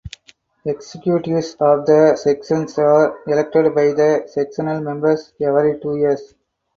Executives of the Sections are elected by the sectional members every two years.